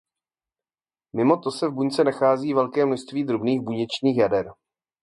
Mimo to se v buňce nachází velké množství drobných buněčných jader.